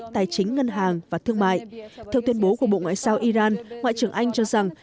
tài chính ngân hàng và thương mại theo tuyên bố của bộ ngoại giao iran ngoại trưởng anh cho rằng